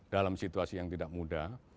dalam situasi yang tidak mudah